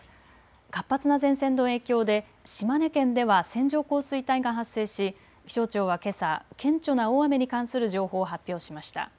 活発な前線の影響で島根県では線状降水帯が発生し気象庁はけさ顕著な大雨に関する情報を発表しました。